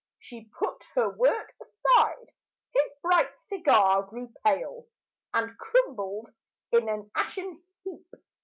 She put her work aside; his bright cigar Grew pale, and crumbled in an ashen heap.